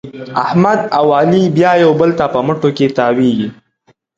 احمد او علي بیا یو بل ته په مټو کې تاوېږي.